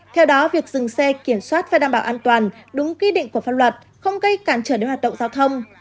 theo đó việc dừng xe kiểm soát phải đảm bảo an toàn đúng quy định của pháp luật không gây cản trở đến hoạt động giao thông